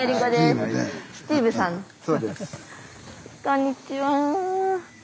こんにちは。